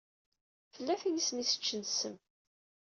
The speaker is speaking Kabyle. Tella tin i sen-iseččen ssem.